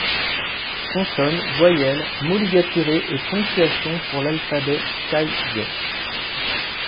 Consonnes, voyelles, mots ligaturés et ponctuation pour l’alphabet taï viêt.